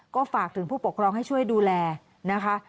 ก็ฝากถึงผู้ปกครองให้ช่วยดูแลนะคะ